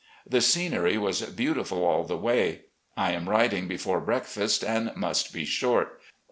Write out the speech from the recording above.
The scenery was beautiful all the way. I am writing before breakfast, and must be short.